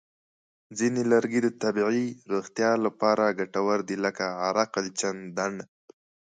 ځینې لرګي د طبیعي روغتیا لپاره ګټور دي، لکه عرقالچندڼ.